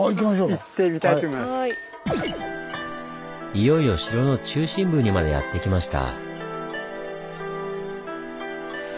いよいよ城の中心部にまでやって来ました。